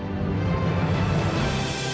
ya disvel lanjut ya